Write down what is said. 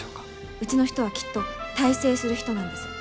うちの人はきっと大成する人なんです。